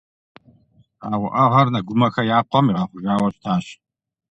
А уӀэгъэр Нэгумэхэ я къуэм игъэхъужауэ щытащ.